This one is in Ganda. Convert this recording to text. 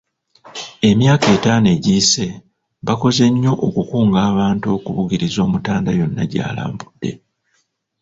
Emyaka etaano egiyise, bakoze nnyo okukunga abantu okubugiriza Omutanda yonna gy'alambudde.